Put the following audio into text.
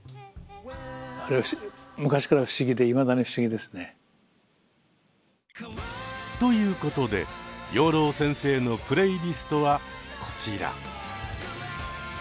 あれ昔から不思議でいまだに不思議ですね。ということで養老先生のプレイリストはこちら。